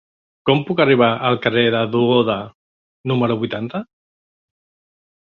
Com puc arribar al carrer de Duoda número vuitanta?